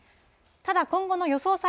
ただ、今後の予想